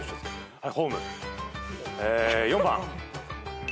はい。